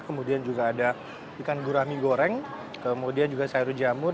kemudian juga ada ikan gurami goreng kemudian juga sayur jamur